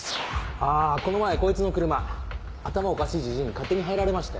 あこの前こいつの車頭おかしいジジイに勝手に入られましたよ。